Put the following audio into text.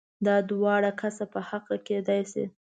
دا دواړه کسه په حقه کېدای شي؟